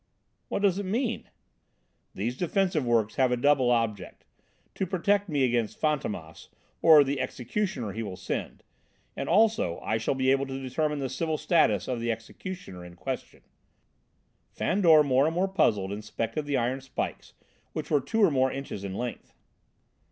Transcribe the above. "What does it mean?" "These defensive works have a double object. To protect me against Fantômas, or the 'executioner' he will send, and also I shall be able to determine the civil status of the 'executioner' in question." Fandor, more and more puzzled, inspected the iron spikes, which were two or more inches in length.